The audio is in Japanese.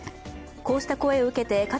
こうした声を受け